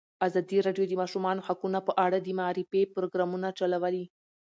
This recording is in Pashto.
ازادي راډیو د د ماشومانو حقونه په اړه د معارفې پروګرامونه چلولي.